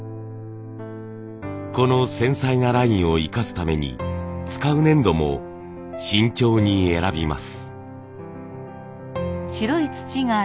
この繊細なラインを生かすために使う粘土も慎重に選びます。